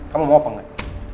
kamu mau apa gak